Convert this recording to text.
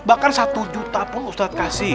bahkan satu juta pun ustadz kasih